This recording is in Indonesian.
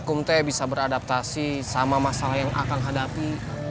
kak aku bisa beradaptasi sama masalah yang akan hadapi